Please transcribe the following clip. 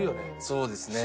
そうですね。